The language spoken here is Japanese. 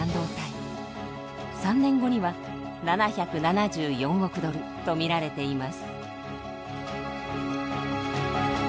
３年後には７７４億ドルと見られています。